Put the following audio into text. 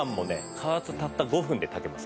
加圧たった５分で炊けます。